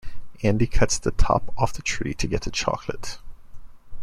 Andy cuts the top off the tree to get the chocolate.